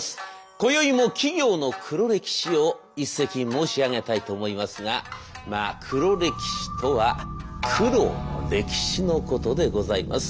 こよいも企業の黒歴史を一席申し上げたいと思いますがまあ黒歴史とは苦労の歴史のことでございます。